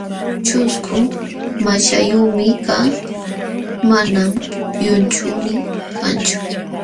ćhusku maśhayuqmi kaa, manam llunchuynii kanchu.